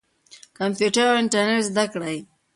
کمپیوټر او انټرنیټ زده کړئ.